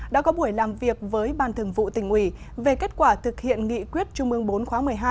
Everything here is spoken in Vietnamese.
đã có buổi làm việc với ban thường vụ tỉnh ủy về kết quả thực hiện nghị quyết trung ương bốn khóa một mươi hai